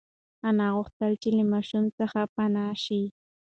انا غوښتل چې له ماشوم څخه پنا شي.